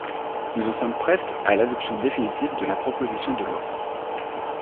Nous en sommes presque à l’adoption définitive de la proposition de loi.